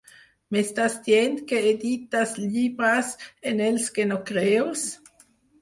M'estàs dient que edites llibres en els que no creus?